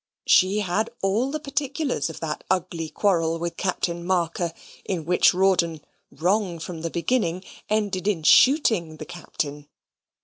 She had all the particulars of that ugly quarrel with Captain Marker, in which Rawdon, wrong from the beginning, ended in shooting the Captain.